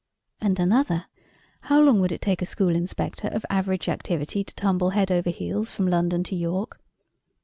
And another, "How long would it take a school inspector of average activity to tumble head over heels from London to York?"